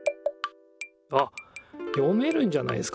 あっ読めるんじゃないですかこれ。